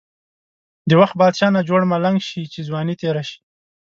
د وخت بادشاه نه جوړ ملنګ شی، چی ځوانی تیره شی.